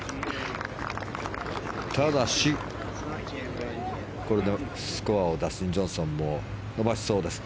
ただし、これでスコアをダスティン・ジョンソンも伸ばしそうです。